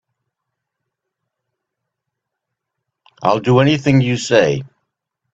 I'll do anything you say.